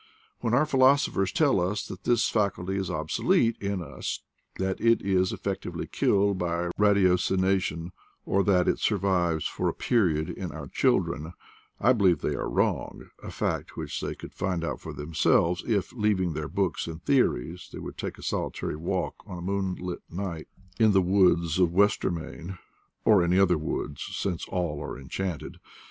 When our philosophers tell us that this faculty is obsolete in us, that it is effectually killed by ratiocination, or that it only survives for a period in our chil dren, I believe they are wrong, a fact which they could find out for themselves if, leaving their books and theories, they would take a solitary walk on a moonlit night in the " Woods of Wester main," or any other woods, since all are en chanted.